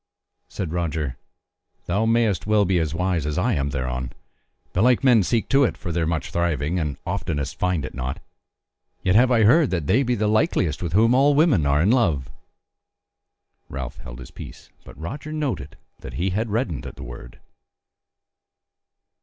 Said Roger: "Thou mayest well be as wise as I am thereon: belike men seek to it for their much thriving, and oftenest find it not. Yet have I heard that they be the likeliest with whom all women are in love." Ralph held his peace, but Roger noted that he reddened at the word.